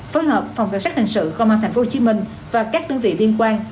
phối hợp phòng cảnh sát hình sự công an tp hcm và các đơn vị liên quan